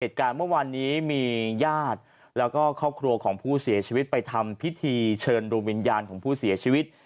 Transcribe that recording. เหตุการณ์เมื่อวานนี้มีญาติแล้วก็ครอบครัวของผู้เสียชีวิตไปทำพิธีเชิญดูวิญญาณของผู้เสียชีวิต